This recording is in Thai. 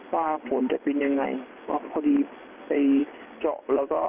ว่าผลจะเป็นยังไงเพราะพอดีไปเจาะแล้วก็